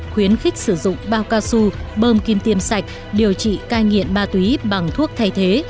khuyến khích sử dụng bao cao su bơm kim tiêm sạch điều trị cai nghiện ma túy bằng thuốc thay thế